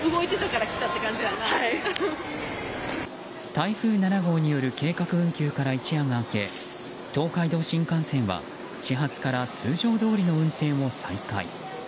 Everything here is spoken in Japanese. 台風７号による計画運休から一夜が明け東海道新幹線は始発から通常通りの運転を再開。